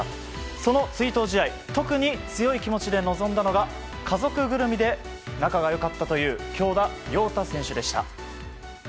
その追悼試合特に強い気持ちで臨んだのが家族ぐるみで仲が良かったという京田陽太選手でした。